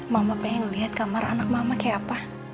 mama pengen lihat kamar anak mama kayak apa